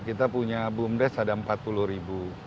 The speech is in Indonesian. tapi yang mungkin yang benar benar untung itu tidak sampai sepuluh ribu